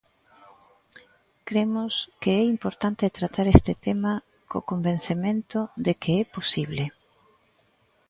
Cremos que é importante tratar este tema co convencemento de que é posible.